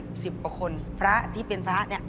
พอได้ดื่มเพราะว่ามีอาการอย่างนี้